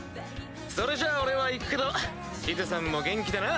それじゃあ俺は行くけどシズさんも元気でな！